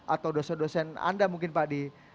atau dosen dosen anda mungkin pak di